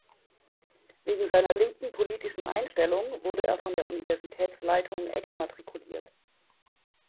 Wegen seiner linken politischen Einstellung wurde er von der Universitätsleitung exmatrikuliert.